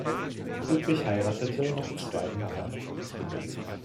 Ludwig heiratete noch zweimal.